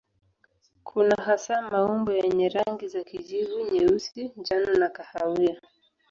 Kuna hasa maumbo yenye rangi za kijivu, nyeusi, njano na kahawia.